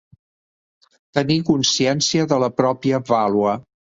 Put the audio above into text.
Tenir consciència de la pròpia vàlua.